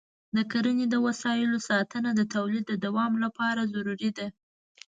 د کرني د وسایلو ساتنه د تولید دوام لپاره ضروري ده.